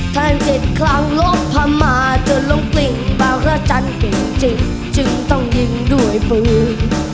ท่านจิตคลังลบพระมาทจนลงกลิ้งบางราชันทร์เป็นจริงจึงต้องยิงด้วยปืน